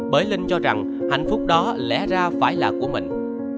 bởi linh cho rằng hạnh phúc đó lẽ ra phải là của mình